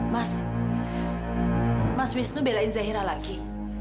mas mas wisnu belain zahira lagi